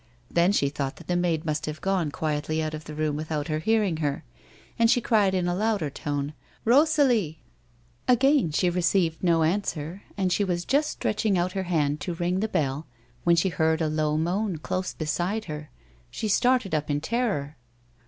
Then she thought that the maid must have gone quietly out of tlie room without her hearing her, and she cried in a louder tone ;" Hosalie ! Again she received no answer, and she was just stretching out her hand to ring the bell, when she heard a low moan close be side lier. She started up in terror.